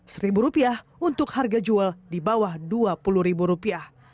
seribu rupiah untuk harga jual di bawah dua puluh ribu rupiah